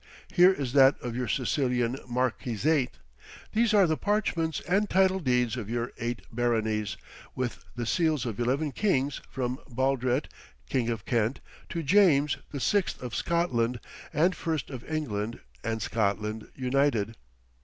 Here is that of your Sicilian marquisate. These are the parchments and title deeds of your eight baronies, with the seals of eleven kings, from Baldret, King of Kent, to James the Sixth of Scotland, and first of England and Scotland united.